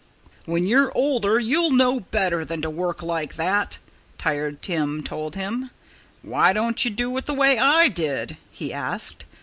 "When you're older you'll know better than to work like that," Tired Tim told him. "Why don't you do the way I did?" he asked.